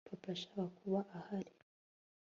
papa yashakaga kuba ahari